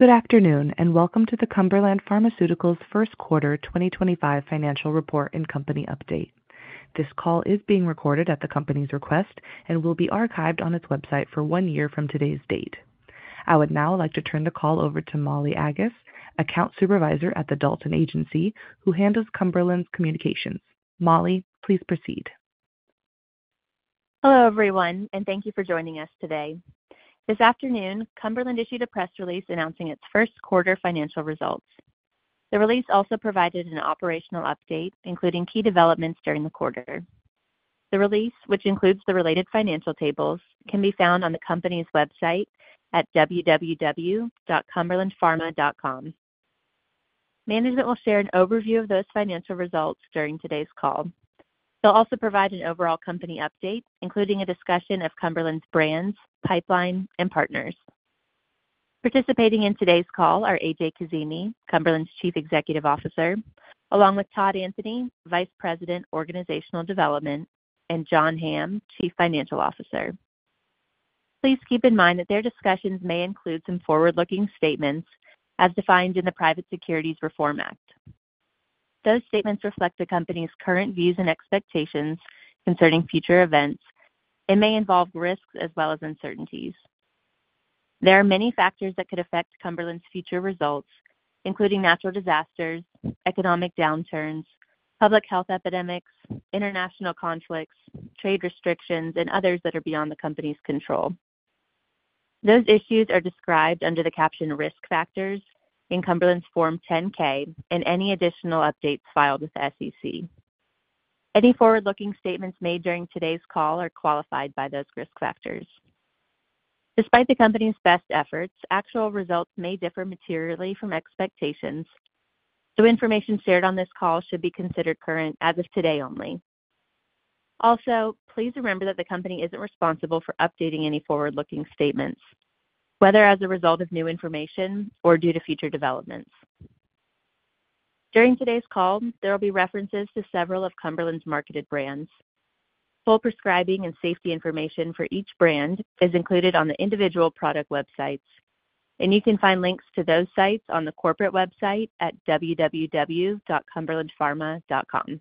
Good afternoon and welcome to the Cumberland Pharmaceuticals' First Quarter 2025 Financial Report and Company Update. This call is being recorded at the company's request and will be archived on its website for one year from today's date. I would now like to turn the call over to Molly Aggas, Account Supervisor at the Dalton Agency, who handles Cumberland's communications. Molly, please proceed. Hello, everyone, and thank you for joining us today. This afternoon, Cumberland issued a press release announcing its first quarter financial results. The release also provided an operational update, including key developments during the quarter. The release, which includes the related financial tables, can be found on the company's website at www.cumberlandpharma.com. Management will share an overview of those financial results during today's call. They'll also provide an overall company update, including a discussion of Cumberland's brands, pipeline, and partners. Participating in today's call are A.J. Kazimi, Cumberland's Chief Executive Officer, along with Todd Anthony, Vice President, Organizational Development, and John Hamm, Chief Financial Officer. Please keep in mind that their discussions may include some forward-looking statements, as defined in the Private Securities Litigation Reform Act. Those statements reflect the company's current views and expectations concerning future events and may involve risks as well as uncertainties. There are many factors that could affect Cumberland's future results, including natural disasters, economic downturns, public health epidemics, international conflicts, trade restrictions, and others that are beyond the company's control. Those issues are described under the caption "Risk Factors" in Cumberland's Form 10-K and any additional updates filed with the SEC. Any forward-looking statements made during today's call are qualified by those risk factors. Despite the company's best efforts, actual results may differ materially from expectations, so information shared on this call should be considered current as of today only. Also, please remember that the company isn't responsible for updating any forward-looking statements, whether as a result of new information or due to future developments. During today's call, there will be references to several of Cumberland's marketed brands. Full prescribing and safety information for each brand is included on the individual product websites, and you can find links to those sites on the corporate website at www.cumberlandpharma.com.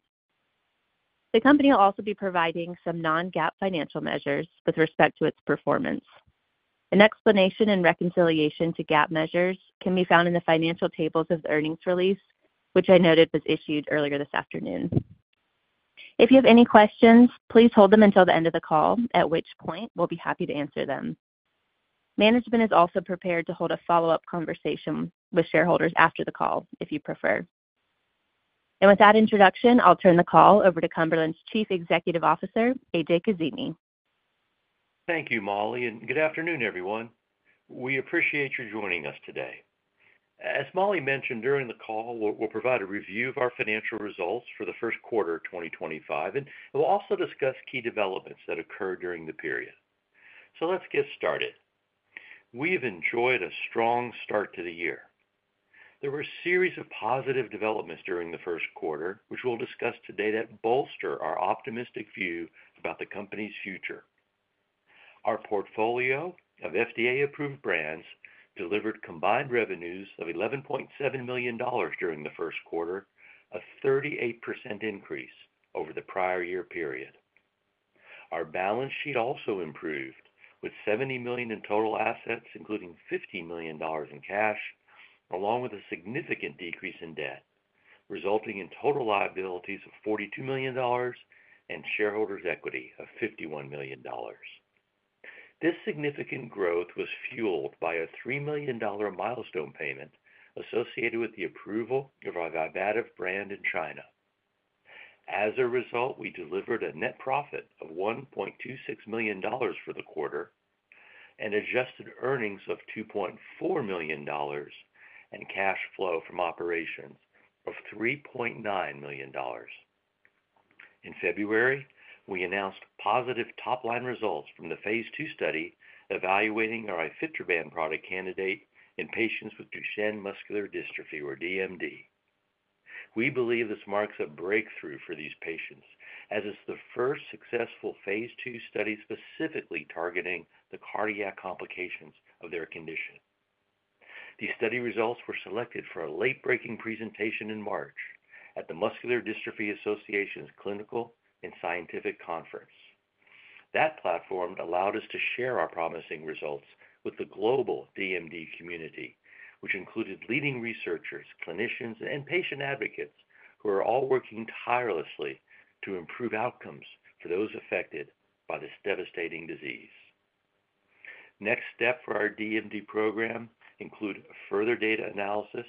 The company will also be providing some non-GAAP financial measures with respect to its performance. An explanation and reconciliation to GAAP measures can be found in the financial tables of the earnings release, which I noted was issued earlier this afternoon. If you have any questions, please hold them until the end of the call, at which point we'll be happy to answer them. Management is also prepared to hold a follow-up conversation with shareholders after the call, if you prefer. With that introduction, I'll turn the call over to Cumberland's Chief Executive Officer, A.J. Kazimi. Thank you, Molly, and good afternoon, everyone. We appreciate your joining us today. As Molly mentioned during the call, we'll provide a review of our financial results for the first quarter of 2025, and we'll also discuss key developments that occurred during the period. Let's get started. We have enjoyed a strong start to the year. There were a series of positive developments during the first quarter, which we'll discuss today, that bolster our optimistic view about the company's future. Our portfolio of FDA-approved brands delivered combined revenues of $11.7 million during the first quarter, a 38% increase over the prior year period. Our balance sheet also improved, with $70 million in total assets, including $50 million in cash, along with a significant decrease in debt, resulting in total liabilities of $42 million and shareholders' equity of $51 million. This significant growth was fueled by a $3 million milestone payment associated with the approval of our Vibativ brand in China. As a result, we delivered a net profit of $1.26 million for the quarter and adjusted earnings of $2.4 million and cash flow from operations of $3.9 million. In February, we announced positive top-line results from the phase II study evaluating our Ifetroban product candidate in patients with Duchenne muscular dystrophy, or DMD. We believe this marks a breakthrough for these patients, as it's the first successful phase II study specifically targeting the cardiac complications of their condition. These study results were selected for a late-breaking presentation in March at the Muscular Dystrophy Association's clinical and scientific conference. That platform allowed us to share our promising results with the global DMD community, which included leading researchers, clinicians, and patient advocates who are all working tirelessly to improve outcomes for those affected by this devastating disease. Next steps for our DMD program include further data analysis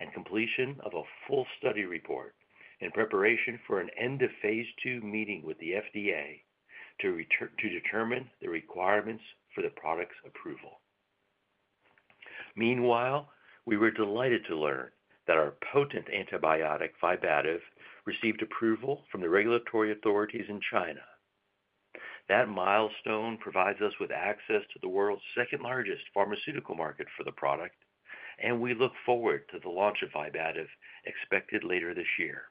and completion of a full study report in preparation for an end-of-Phase 2 meeting with the FDA to determine the requirements for the product's approval. Meanwhile, we were delighted to learn that our potent antibiotic, Vibativ, received approval from the regulatory authorities in China. That milestone provides us with access to the world's second-largest pharmaceutical market for the product, and we look forward to the launch of Vibativ expected later this year.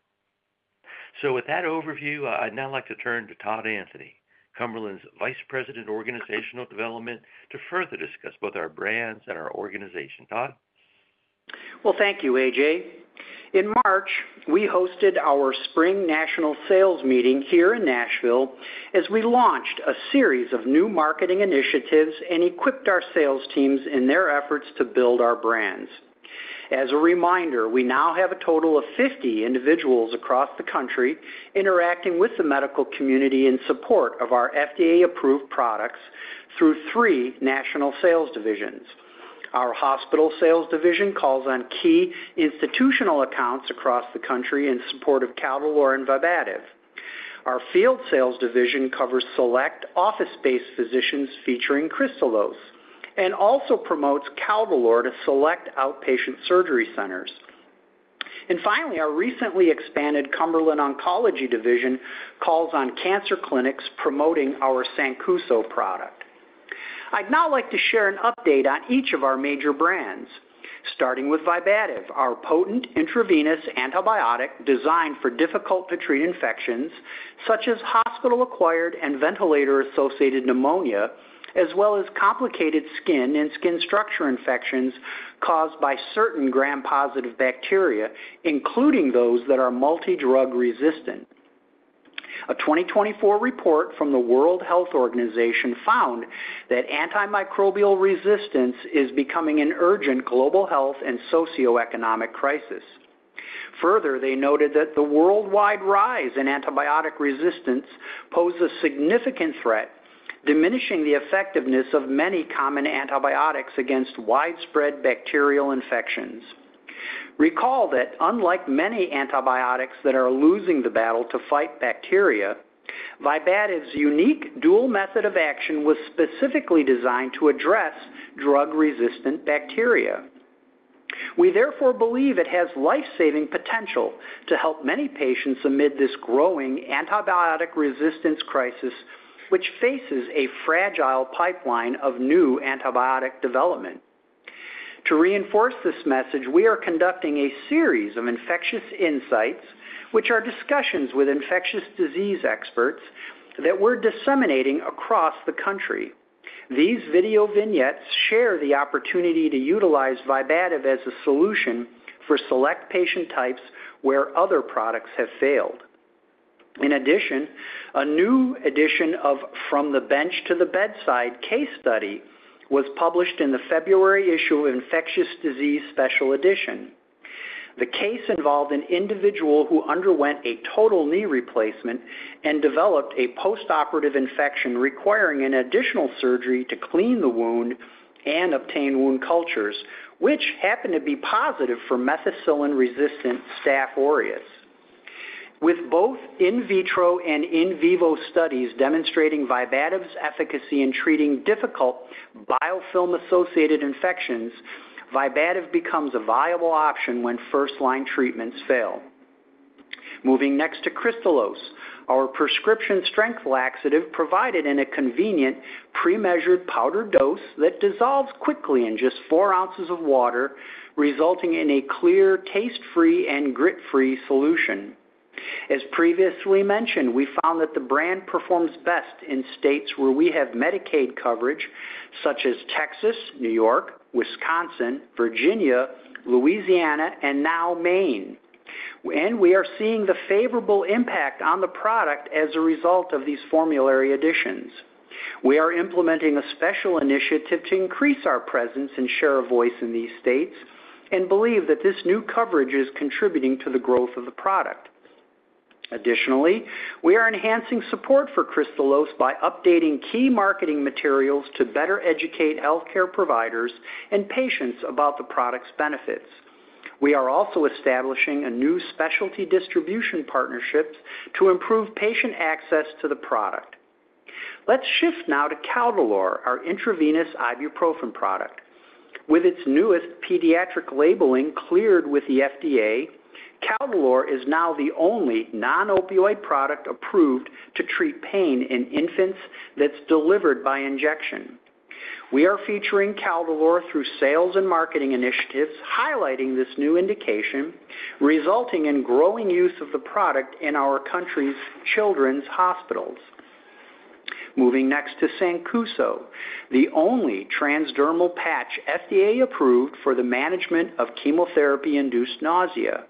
With that overview, I'd now like to turn to Todd Anthony, Cumberland's Vice President, Organizational Development, to further discuss both our brands and our organization. Todd? Thank you, A.J. In March, we hosted our spring national sales meeting here in Nashville as we launched a series of new marketing initiatives and equipped our sales teams in their efforts to build our brands. As a reminder, we now have a total of 50 individuals across the country interacting with the medical community in support of our FDA-approved products through three national sales divisions. Our hospital sales division calls on key institutional accounts across the country in support of Caldolor and Vibativ. Our field sales division covers select office-based physicians featuring Kristalose and also promotes Caldolor to select outpatient surgery centers. Finally, our recently expanded Cumberland Oncology Division calls on cancer clinics promoting our Sancuso product. I'd now like to share an update on each of our major brands, starting with Vibativ, our potent intravenous antibiotic designed for difficult-to-treat infections such as hospital-acquired and ventilator-associated pneumonia, as well as complicated skin and skin structure infections caused by certain gram-positive bacteria, including those that are multi-drug resistant. A 2024 report from the World Health Organization found that antimicrobial resistance is becoming an urgent global health and socioeconomic crisis. Further, they noted that the worldwide rise in antibiotic resistance poses a significant threat, diminishing the effectiveness of many common antibiotics against widespread bacterial infections. Recall that unlike many antibiotics that are losing the battle to fight bacteria, Vibativ's unique dual method of action was specifically designed to address drug-resistant bacteria. We therefore believe it has lifesaving potential to help many patients amid this growing antibiotic resistance crisis, which faces a fragile pipeline of new antibiotic development. To reinforce this message, we are conducting a series of Infectious Insights, which are discussions with infectious disease experts that we're disseminating across the country. These video vignettes share the opportunity to utilize Vibativ as a solution for select patient types where other products have failed. In addition, a new edition of From the Bench to the Bedside case study was published in the February issue of Infectious Disease Special Edition. The case involved an individual who underwent a total knee replacement and developed a postoperative infection requiring an additional surgery to clean the wound and obtain wound cultures, which happened to be positive for methicillin-resistant Staph aureus. With both in vitro and in vivo studies demonstrating Vibativ's efficacy in treating difficult biofilm-associated infections, Vibativ becomes a viable option when first-line treatments fail. Moving next to Kristalose, our prescription-strength laxative provided in a convenient, pre-measured powder dose that dissolves quickly in just four ounces of water, resulting in a clear, taste-free, and grit-free solution. As previously mentioned, we found that the brand performs best in states where we have Medicaid coverage, such as Texas, New York, Wisconsin, Virginia, Louisiana, and now Maine, and we are seeing the favorable impact on the product as a result of these formulary additions. We are implementing a special initiative to increase our presence and share of voice in these states and believe that this new coverage is contributing to the growth of the product. Additionally, we are enhancing support for Kristalose by updating key marketing materials to better educate healthcare providers and patients about the product's benefits. We are also establishing a new specialty distribution partnership to improve patient access to the product. Let's shift now to Caldolor, our intravenous ibuprofen product. With its newest pediatric labeling cleared with the FDA, Caldolor is now the only non-opioid product approved to treat pain in infants that's delivered by injection. We are featuring Caldolor through sales and marketing initiatives highlighting this new indication, resulting in growing use of the product in our country's children's hospitals. Moving next to Sancuso, the only transdermal patch FDA-approved for the management of chemotherapy-induced nausea.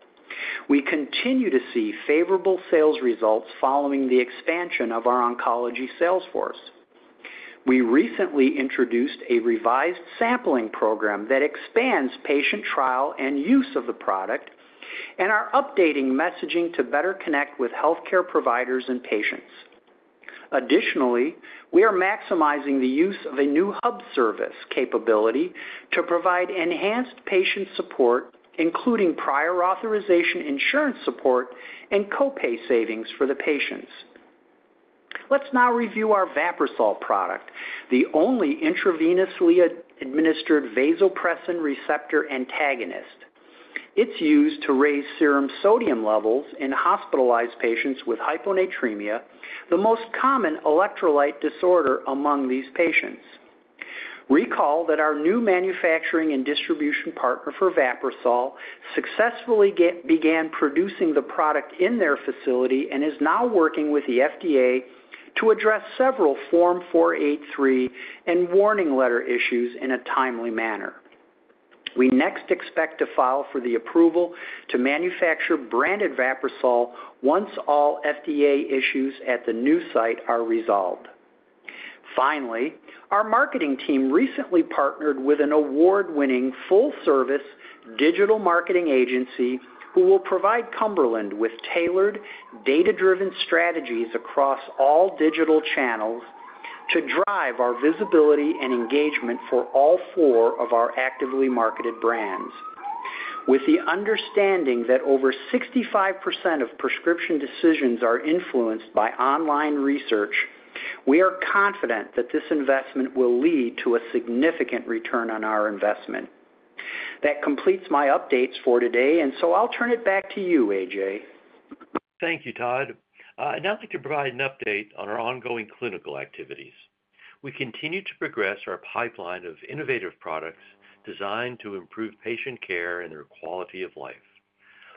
We continue to see favorable sales results following the expansion of our oncology sales force. We recently introduced a revised sampling program that expands patient trial and use of the product and are updating messaging to better connect with healthcare providers and patients. Additionally, we are maximizing the use of a new hub service capability to provide enhanced patient support, including prior authorization insurance support and copay savings for the patients. Let's now review our Vaprisol product, the only intravenously administered vasopressin receptor antagonist. It's used to raise serum sodium levels in hospitalized patients with hyponatremia, the most common electrolyte disorder among these patients. Recall that our new manufacturing and distribution partner for Vaprisol successfully began producing the product in their facility and is now working with the FDA to address several Form 483 and warning letter issues in a timely manner. We next expect to file for the approval to manufacture branded Vaprisol once all FDA issues at the new site are resolved. Finally, our marketing team recently partnered with an award-winning full-service digital marketing agency who will provide Cumberland with tailored, data-driven strategies across all digital channels to drive our visibility and engagement for all four of our actively marketed brands. With the understanding that over 65% of prescription decisions are influenced by online research, we are confident that this investment will lead to a significant return on our investment. That completes my updates for today, and so I'll turn it back to you, A.J. Thank you, Todd. I'd now like to provide an update on our ongoing clinical activities. We continue to progress our pipeline of innovative products designed to improve patient care and their quality of life.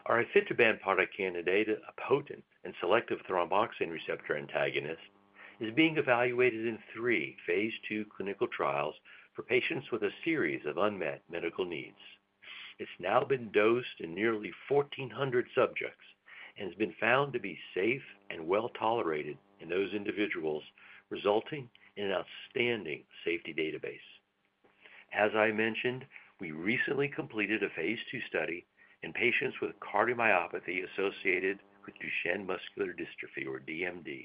Our Ifetroban product candidate, a potent and selective thromboxane receptor antagonist, is being evaluated in three phase II clinical trials for patients with a series of unmet medical needs. It's now been dosed in nearly 1,400 subjects and has been found to be safe and well-tolerated in those individuals, resulting in an outstanding safety database. As I mentioned, we recently completed a phase II study in patients with cardiomyopathy associated with Duchenne muscular dystrophy, or DMD,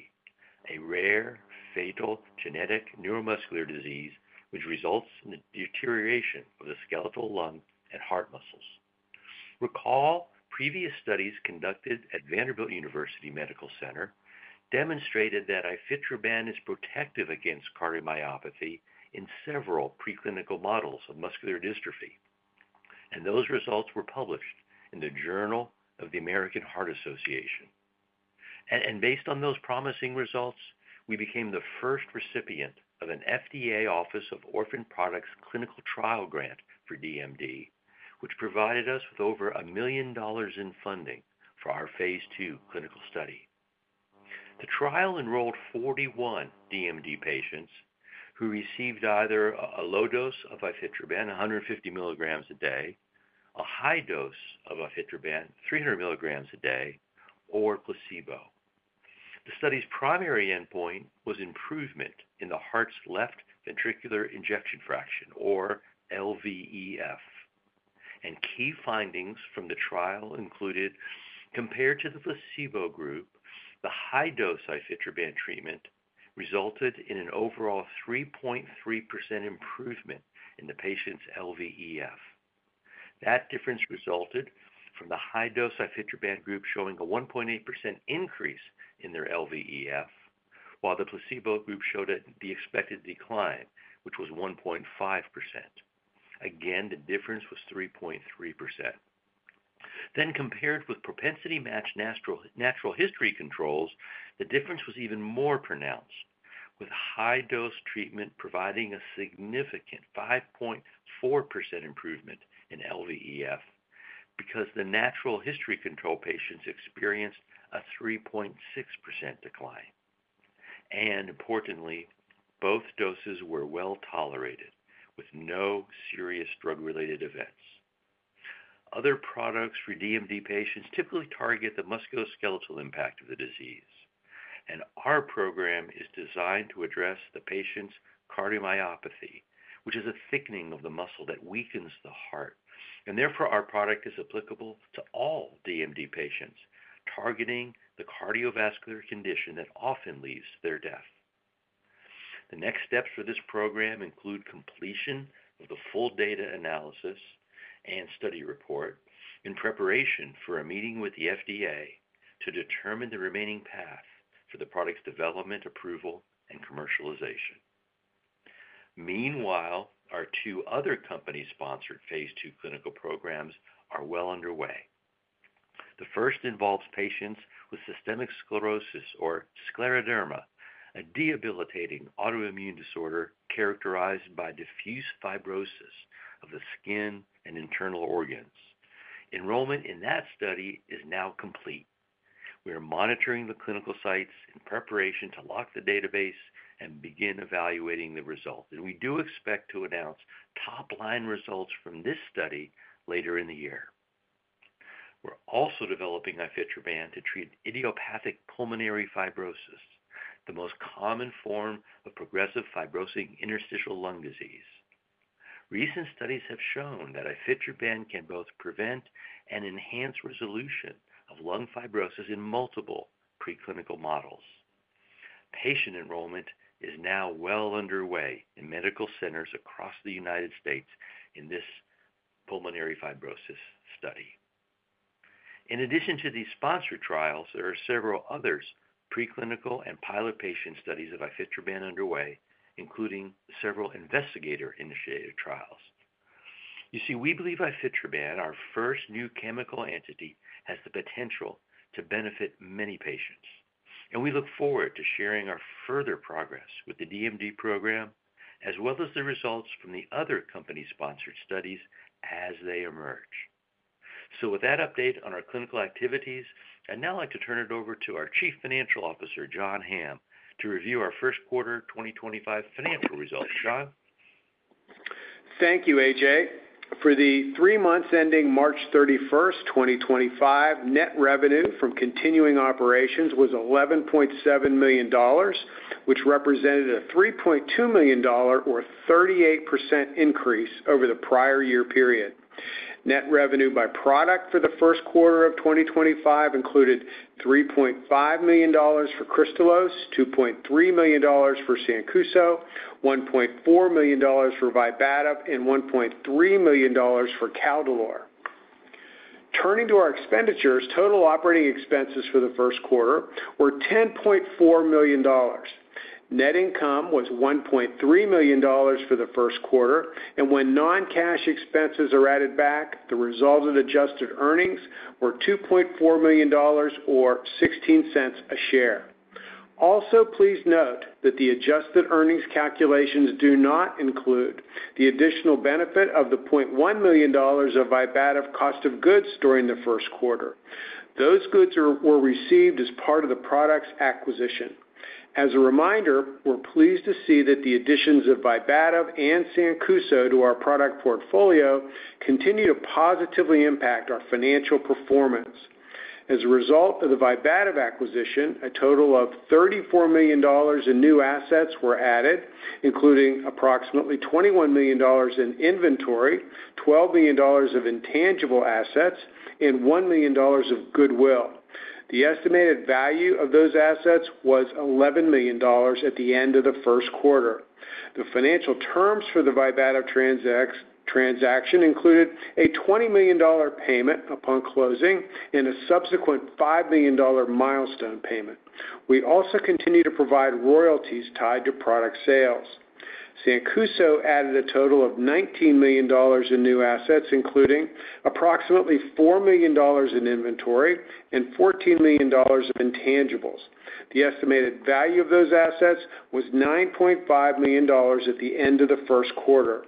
a rare fatal genetic neuromuscular disease which results in the deterioration of the skeletal, lung, and heart muscles. Recall, previous studies conducted at Vanderbilt University Medical Center demonstrated that Ifetroban is protective against cardiomyopathy in several preclinical models of muscular dystrophy, and those results were published in the Journal of the American Heart Association. Based on those promising results, we became the first recipient of an FDA Office of Orphan Products Clinical Trial grant for DMD, which provided us with over $1 million in funding for our phase II clinical study. The trial enrolled 41 DMD patients who received either a low dose of Ifetroban, 150 mg a day, a high dose of Ifetroban, 300 mg a day, or placebo. The study's primary endpoint was improvement in the heart's left ventricular ejection fraction, or LVEF. Key findings from the trial included that compared to the placebo group, the high-dose Ifetroban treatment resulted in an overall 3.3% improvement in the patient's LVEF. That difference resulted from the high-dose ifetroban group showing a 1.8% increase in their LVEF, while the placebo group showed the expected decline, which was 1.5%. Again, the difference was 3.3%. Compared with propensity-matched natural history controls, the difference was even more pronounced, with high-dose treatment providing a significant 5.4% improvement in LVEF because the natural history control patients experienced a 3.6% decline. Importantly, both doses were well-tolerated with no serious drug-related events. Other products for DMD patients typically target the musculoskeletal impact of the disease, and our program is designed to address the patient's cardiomyopathy, which is a thickening of the muscle that weakens the heart. Therefore, our product is applicable to all DMD patients targeting the cardiovascular condition that often leads to their death. The next steps for this program include completion of the full data analysis and study report in preparation for a meeting with the FDA to determine the remaining path for the product's development, approval, and commercialization. Meanwhile, our two other company-sponsored phase II clinical programs are well underway. The first involves patients with systemic sclerosis, or scleroderma, a debilitating autoimmune disorder characterized by diffuse fibrosis of the skin and internal organs. Enrollment in that study is now complete. We are monitoring the clinical sites in preparation to lock the database and begin evaluating the results. We do expect to announce top-line results from this study later in the year. We're also developing Ifetroban to treat idiopathic pulmonary fibrosis, the most common form of progressive fibrosing interstitial lung disease. Recent studies have shown that Ifetroban can both prevent and enhance resolution of lung fibrosis in multiple preclinical models. Patient enrollment is now well underway in medical centers across the United States in this pulmonary fibrosis study. In addition to these sponsored trials, there are several other preclinical and pilot patient studies of Ifetroban underway, including several investigator-initiated trials. You see, we believe Ifetroban, our first new chemical entity, has the potential to benefit many patients. We look forward to sharing our further progress with the DMD program as well as the results from the other company-sponsored studies as they emerge. With that update on our clinical activities, I'd now like to turn it over to our Chief Financial Officer, John Hamm, to review our first quarter 2025 financial results. John? Thank you, A.J. For the three months ending March 31st, 2025, net revenue from continuing operations was $11.7 million, which represented a $3.2 million, or 38% increase over the prior year period. Net revenue by product for the first quarter of 2025 included $3.5 million for Kristalose, $2.3 million for Sancuso, $1.4 million for Vibativ, and $1.3 million for Caldolor. Turning to our expenditures, total operating expenses for the first quarter were $10.4 million. Net income was $1.3 million for the first quarter. When non-cash expenses are added back, the resulting adjusted earnings were $2.4 million, or 16 cents a share. Also, please note that the adjusted earnings calculations do not include the additional benefit of the $0.1 million of Vibativ cost of goods during the first quarter. Those goods were received as part of the product's acquisition. As a reminder, we're pleased to see that the additions of Vibativ and Sancuso to our product portfolio continue to positively impact our financial performance. As a result of the Vibativ acquisition, a total of $34 million in new assets were added, including approximately $21 million in inventory, $12 million of intangible assets, and $1 million of goodwill. The estimated value of those assets was $11 million at the end of the first quarter. The financial terms for the Vibativ transaction included a $20 million payment upon closing and a subsequent $5 million milestone payment. We also continue to provide royalties tied to product sales. Sancuso added a total of $19 million in new assets, including approximately $4 million in inventory and $14 million of intangibles. The estimated value of those assets was $9.5 million at the end of the first quarter.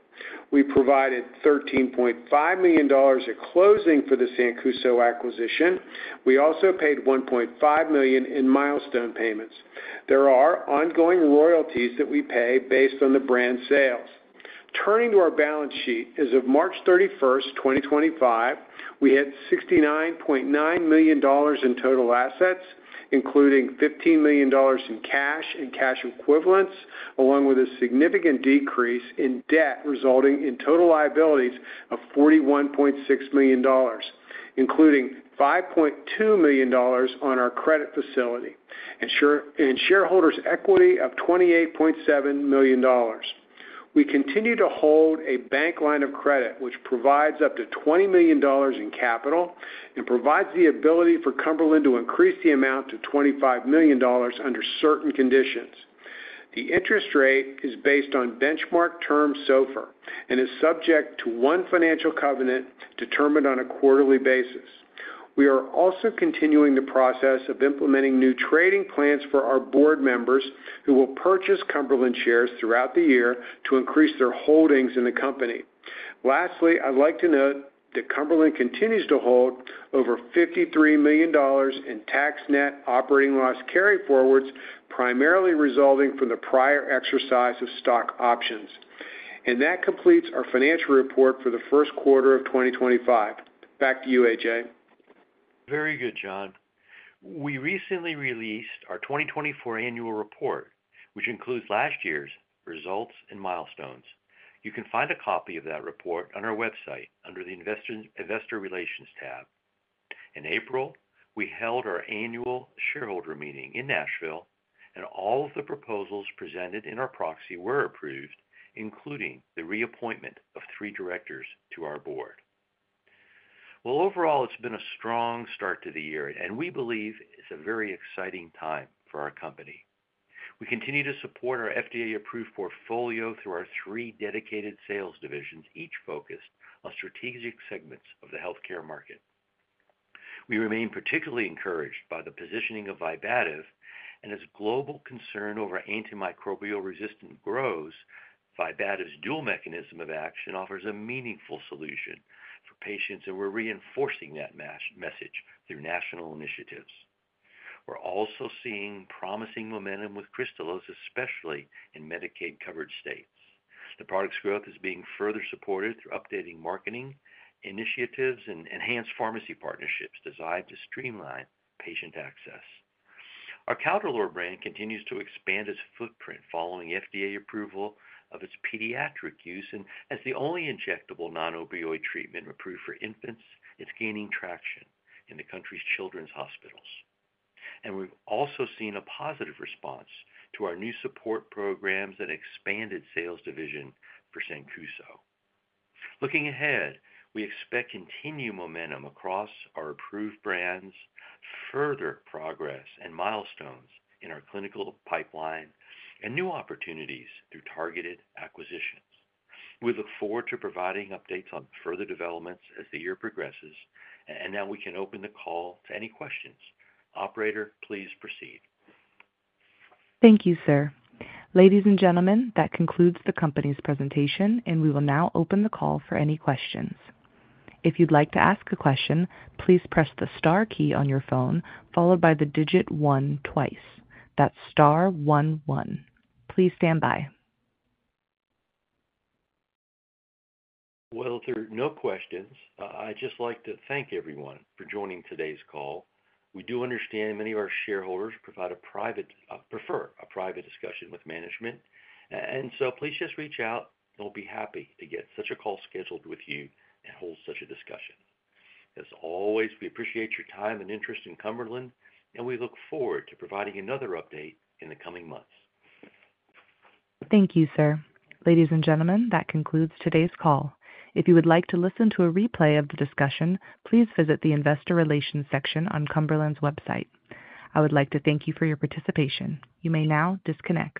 We provided $13.5 million at closing for the Sancuso acquisition. We also paid $1.5 million in milestone payments. There are ongoing royalties that we pay based on the brand sales. Turning to our balance sheet as of March 31st, 2025, we had $69.9 million in total assets, including $15 million in cash and cash equivalents, along with a significant decrease in debt resulting in total liabilities of $41.6 million, including $5.2 million on our credit facility and shareholders' equity of $28.7 million. We continue to hold a bank line of credit, which provides up to $20 million in capital and provides the ability for Cumberland to increase the amount to $25 million under certain conditions. The interest rate is based on benchmark terms so far and is subject to one financial covenant determined on a quarterly basis. We are also continuing the process of implementing new trading plans for our board members who will purchase Cumberland shares throughout the year to increase their holdings in the company. Lastly, I'd like to note that Cumberland continues to hold over $53 million in tax net operating loss carry forwards, primarily resulting from the prior exercise of stock options. That completes our financial report for the first quarter of 2025. Back to you, A.J. Very good, John. We recently released our 2024 annual report, which includes last year's results and milestones. You can find a copy of that report on our website under the Investor Relations tab. In April, we held our annual shareholder meeting in Nashville, and all of the proposals presented in our proxy were approved, including the reappointment of three directors to our board. Overall, it's been a strong start to the year, and we believe it's a very exciting time for our company. We continue to support our FDA-approved portfolio through our three dedicated sales divisions, each focused on strategic segments of the healthcare market. We remain particularly encouraged by the positioning of Vibativ, and as global concern over antimicrobial resistance grows, Vibativ's dual mechanism of action offers a meaningful solution for patients, and we're reinforcing that message through national initiatives. We're also seeing promising momentum with Kristalose, especially in Medicaid-covered states. The product's growth is being further supported through updated marketing initiatives and enhanced pharmacy partnerships designed to streamline patient access. Our Caldolor brand continues to expand its footprint following FDA approval of its pediatric use. As the only injectable non-opioid treatment approved for infants, it's gaining traction in the country's children's hospitals. We've also seen a positive response to our new support programs and expanded sales division for Sancuso. Looking ahead, we expect continued momentum across our approved brands, further progress and milestones in our clinical pipeline, and new opportunities through targeted acquisitions. We look forward to providing updates on further developments as the year progresses. Now we can open the call to any questions. Operator, please proceed. Thank you, sir. Ladies and gentlemen, that concludes the company's presentation, and we will now open the call for any questions. If you'd like to ask a question, please press the star key on your phone, followed by the digit one twice. That's star one one. Please stand by. If there are no questions, I'd just like to thank everyone for joining today's call. We do understand many of our shareholders prefer a private discussion with management. Please just reach out, and we'll be happy to get such a call scheduled with you and hold such a discussion. As always, we appreciate your time and interest in Cumberland, and we look forward to providing another update in the coming months. Thank you, sir. Ladies and gentlemen, that concludes today's call. If you would like to listen to a replay of the discussion, please visit the Investor Relations section on Cumberland's website. I would like to thank you for your participation. You may now disconnect.